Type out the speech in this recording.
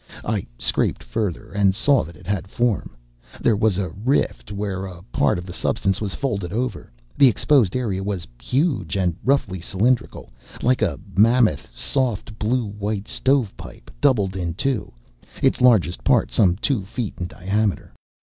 I scraped further, and saw that it had form. There was a rift where a part of the substance was folded over. The exposed area was huge and roughly cylindrical; like a mammoth soft blue white stovepipe doubled in two, its largest part some two feet in diameter.